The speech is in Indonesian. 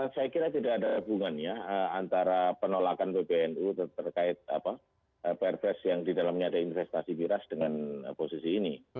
saya kira tidak ada hubungannya antara penolakan pbnu terkait perpres yang didalamnya ada investasi miras dengan posisi ini